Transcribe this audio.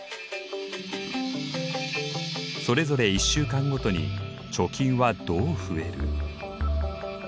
それぞれ１週間ごとに貯金はどう増える？